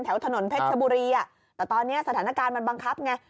แถวถนนเพชรชบุรีแต่ตอนนี้สถานการณ์มันบังคับไง